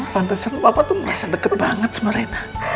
pantesan papa tuh merasa deket banget sama reina